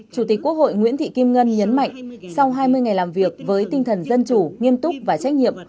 chủ tịch quốc hội nguyễn thị kim ngân nhấn mạnh sau hai mươi ngày làm việc với tinh thần dân chủ nghiêm túc và trách nhiệm